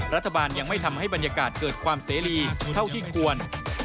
รัฐบาลยังไม่ทำให้บรรยากาศเกิดความเสรีเท่าที่ควร